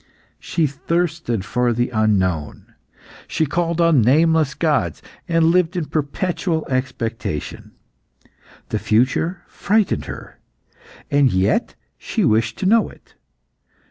She thirsted for the unknown; she called on nameless gods, and lived in perpetual expectation. The future frightened her, and yet she wished to know it.